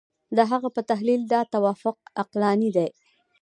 د هغه په تحلیل دا توافق عقلاني دی.